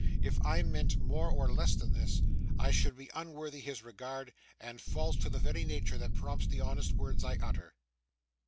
If I meant more or less than this, I should be unworthy his regard, and false to the very nature that prompts the honest words I utter.